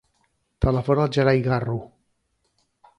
Telefona al Gerai Garro.